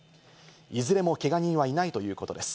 いずれもけが人はいないということです。